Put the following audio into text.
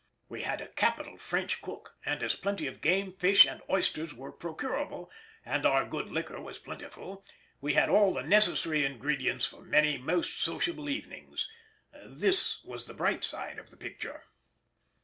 We had a capital French cook, and as plenty of game, fish, and oysters were procurable, and our good liquor was plentiful, we had all the necessary ingredients for many most sociable evenings—this was the bright side of the picture.